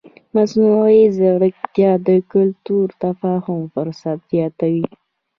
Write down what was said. مصنوعي ځیرکتیا د کلتوري تفاهم فرصت زیاتوي.